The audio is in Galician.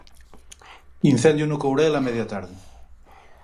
Incendio no Courel a media tarde.